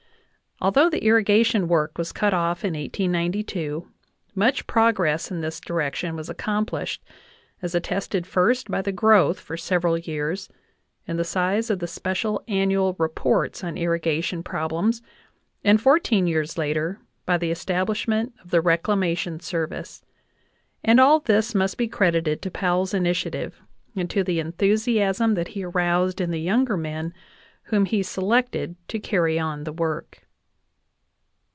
Although the irrigation work was cut off in 1892, much prog ress in this direction was accomplished, as attested first by the growth for several years in the size of the special annual re ports on irrigation problems and fourteen years later by the establishment of the Reclamation Service; and all this must be credited to Powell's initiative and to the enthusiasm that he aroused in the younger men whom he selected to carry on the , work.